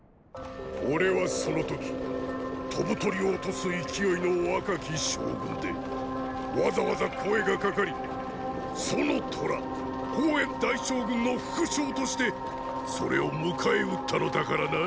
俺はその時飛ぶ鳥を落とす勢いの若き将軍でわざわざ声がかかり楚の“虎”項燕大将軍の副将としてそれを迎え撃ったのだからなァ！